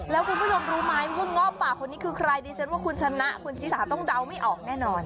แล้วคุณผู้ชมรู้ไหมว่าง้อป่าคนนี้คือใครดิฉันว่าคุณชนะคุณชิสาต้องเดาไม่ออกแน่นอน